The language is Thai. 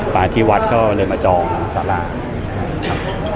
มาที่วัดก็เลยมาจองสาราครับ